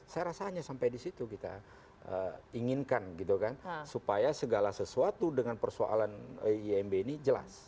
saya rasa hanya sampai di situ kita inginkan gitu kan supaya segala sesuatu dengan persoalan imb ini jelas